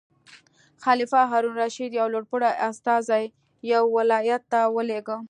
خلیفه هارون الرشید یو لوړ پوړی استازی یو ولایت ته ولېږه.